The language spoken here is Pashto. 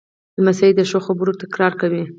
لمسی د ښو خبرو تکرار کوي.